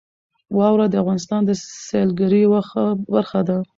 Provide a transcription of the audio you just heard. واوره د افغانستان د سیلګرۍ یوه ښه برخه ده.